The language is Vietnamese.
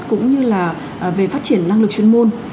cũng như là về phát triển năng lực chuyên môn